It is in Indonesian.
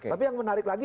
tapi yang menarik lagi